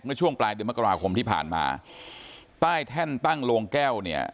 ช่วงปลายเดือนมกราคมที่ผ่านมาใต้แท่นตั้งโรงแก้วเนี่ย